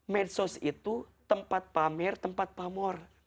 medsos itu tempat pamer tempat pamor